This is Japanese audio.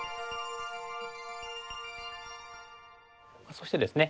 そしてですね